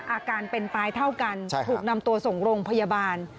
อาการเป็นตายเท่ากันถูกนำตัวส่งโรงพยาบาล